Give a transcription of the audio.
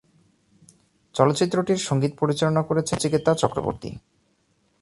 চলচ্চিত্রটির সংগীত পরিচালনা করেছেন নচিকেতা চক্রবর্তী।